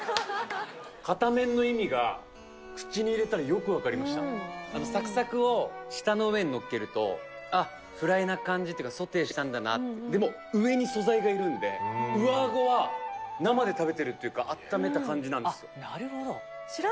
片面の意味が口に入れたらよく分かりましたサクサクを舌の上にのっけるとあっフライな感じっていうかソテーしたんだなってでも上に素材がいるんで上あごは生で食べてるっていうかあっためた感じなんですよあっ